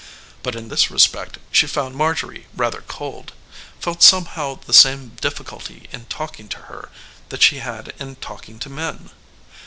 But in this respect she found Marjorie rather cold; felt somehow the same difficulty in talking to her that she had in talking to men.